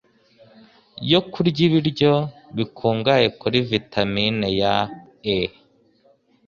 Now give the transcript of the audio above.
yo kurya ibiryo bikungahaye kuri vitamine ya E